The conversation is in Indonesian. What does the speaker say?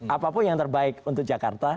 apapun yang terbaik untuk jakarta